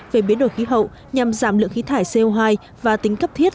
về biến đổi khí hậu nhằm giảm lượng khí thải co hai và tính cấp thiết